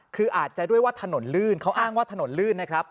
คืออาจจะด้วยว่าถนนลื่นเขาอ้างว่าถนนลื่นนะครับ